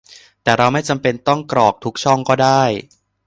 แต่เราไม่จำเป็นต้องกรอกทุกช่องก็ได้